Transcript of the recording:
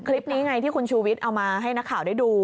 คลิปนี้ไงที่คุณชูวิทย์เอามาให้นักข่าวได้ดู